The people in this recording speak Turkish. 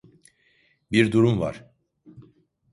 Bir durum var.